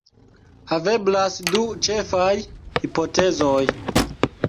Haveblas du ĉefaj hipotezoj.